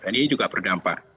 ini juga berdampak